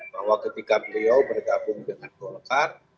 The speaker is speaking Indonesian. bahwa ketika beliau bergabung dengan golkar